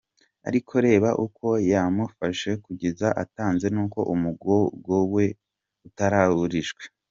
ariko reba uko yamufashe kugeza atanze n’uko umugogo we utabarijwe.